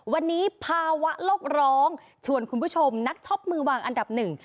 วันนี้ภาวะโลกร้องชวนคุณผู้ชมนักช็อปมือวางอันดับหนึ่ง